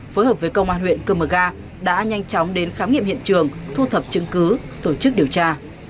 phối hợp với công an huyện cơ mờ ga đã nhanh chóng đến khám nghiệm hiện trường thu thập chứng cứ tổ chức điều tra